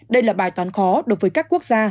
đây là bài toán khó đối với các quốc gia